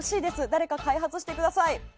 誰か開発してください！